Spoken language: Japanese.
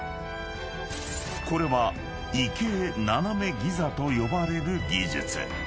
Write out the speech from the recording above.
［これは異形斜めギザと呼ばれる技術］